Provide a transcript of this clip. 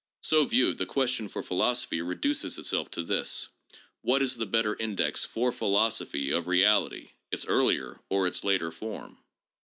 So viewed, the question for phi losophy reduces itself to this : What is the better index, for phi losophy, of reality : its earlier or its later form